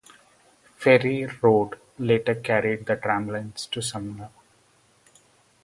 Ferry Road later carried the tramlines to Sumner.